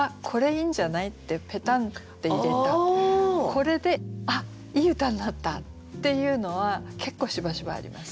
これであっいい歌になった！っていうのは結構しばしばあります。